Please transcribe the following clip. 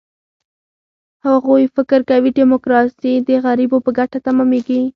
هغوی فکر کوي، ډیموکراسي د غریبو په ګټه تمامېږي.